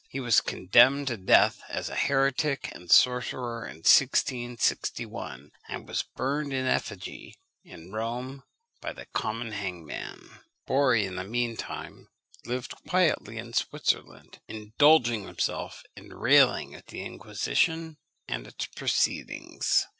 He was condemned to death as a heretic and sorcerer in 1661, and was burned in effigy in Rome by the common hangman. Borri, in the mean time, lived quietly in Switzerland, indulging himself in railing at the Inquisition and its proceedings.